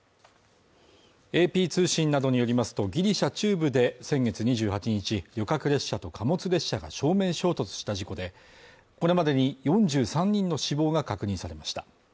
ＡＰ通信などによりますとギリシャ中部で先月２８日、旅客列車と貨物列車が正面衝突した事故で、これまでに４３人の死亡が確認されました。